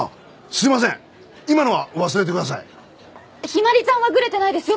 陽葵ちゃんはグレてないですよ